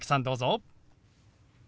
どうぞ。